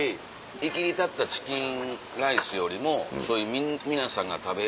いきり立ったチキンライスよりもそういう皆さんが食べる。